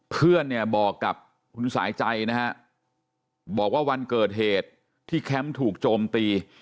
เพื่อนเนี่ยบอกกับคุณสายใจนะฮะบอกว่าวันเกิดเหตุที่แคมป์ถูกโจมตี